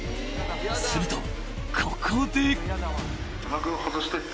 ［するとここで］